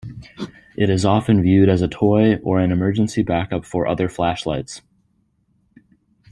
It is often viewed as a toy, or an emergency backup for other flashlights.